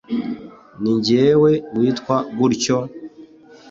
ni jyewe witwa gutyo,